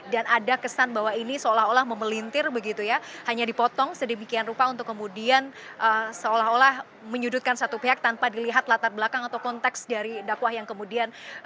dan ada kesan bahwa ini seolah olah memelintir begitu ya hanya dipotong sedemikian rupa untuk kemudian seolah olah menyudutkan satu pihak tanpa dilihat latar belakang atau konteks dari dakwah yang kemudian